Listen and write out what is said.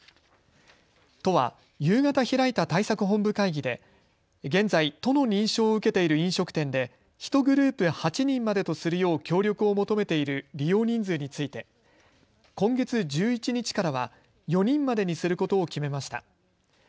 都は夕方開いた対策本部会議で現在、都の認証を受けている飲食店で１グループ８人までとするよう協力を求めている利用人数について今月１１日からは４人までにすることを決めました。